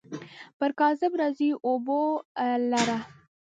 پر کاذب راځي اوبو لره.